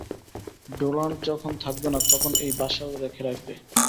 Donald যখন থাকবে না, তখন ও এই বাসা দেখে রাখবে।